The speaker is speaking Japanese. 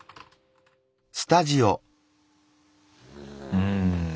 うん。